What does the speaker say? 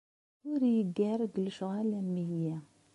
Ur iyi-ggar deg lecɣal am wiyyi.